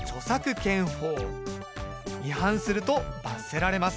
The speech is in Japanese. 違反すると罰せられます。